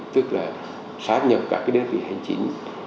tức là sát nhập các cái đơn vị hành chính